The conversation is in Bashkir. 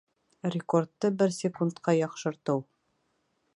Рекордты бер секундҡа яҡшыртыу